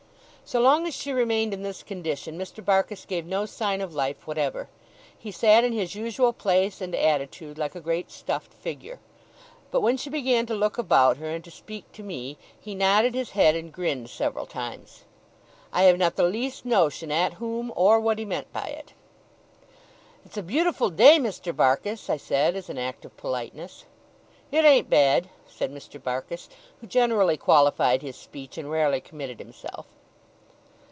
So long as she remained in this condition, Mr. Barkis gave no sign of life whatever. He sat in his usual place and attitude like a great stuffed figure. But when she began to look about her, and to speak to me, he nodded his head and grinned several times. I have not the least notion at whom, or what he meant by it. 'It's a beautiful day, Mr. Barkis!' I said, as an act of politeness. 'It ain't bad,' said Mr. Barkis, who generally qualified his speech, and rarely committed himself.